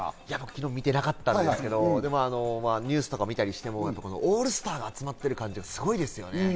昨日、見てなかったんですけどニュースとかを見たりしてもオールスターが集まってる感じがすごいですよね。